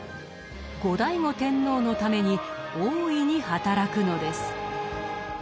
後醍醐天皇のために大いに働くのです。